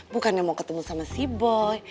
bukannya mau ketemu sama sea boy